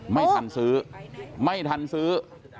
ไม่ทันซื้อไม่ทันซื้อ